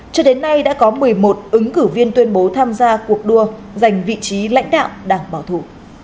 cho đến nay đã có một mươi một ứng cử viên tuyên bố tham gia cuộc đua giành vị trí lãnh đạo đảng bảo thủ